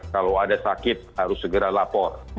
kalau ada sakit harus segera lapor